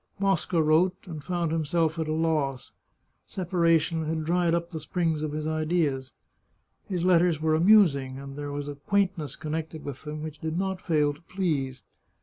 Mosca wrote, and found himself at a loss ; separation had dried up the springs of his ideas. His letters were amusing, and there was a quaintness connected with them which did not fail to please.